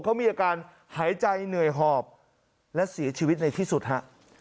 เขามีอาการหายใจเหนื่อยหอบและเสียชีวิตในที่สุดฮะ